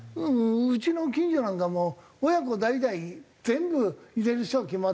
うちの近所なんかも親子代々全部入れる人が決まってて。